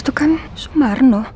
itu kan sumarno